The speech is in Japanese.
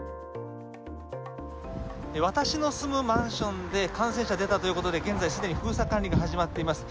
私の住むマンションで感染者が出たということで現在、すでに封鎖管理が始まっています。